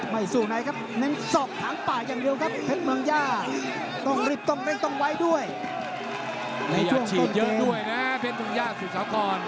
ไม่สู้ในครับเน้นซอกทางป่ายอย่างเดียวครับเพชรเมืองย่า